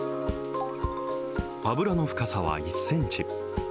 油の深さは１センチ。